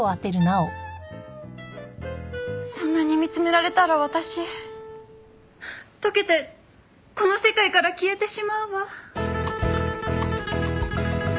そんなに見つめられたら私溶けてこの世界から消えてしまうわ。